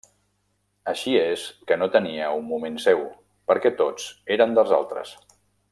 Així és que no tenia un moment seu, perquè tots eren dels altres.